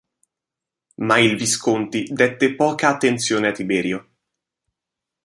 Ma il Visconti dette poca attenzione a Tiberio.